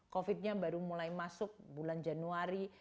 covid nya baru mulai masuk bulan januari